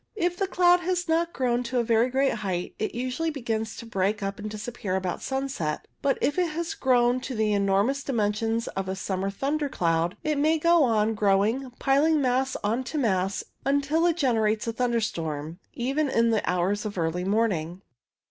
If the cloud has not grown to very great size it usually begins to break up and disappear about sunset, but if it has grown to the enormous dimensions of a summer thunder cloud it may go on growing, piling mass on to mass, until it generates a thunderstorm, even in the hours of early morning.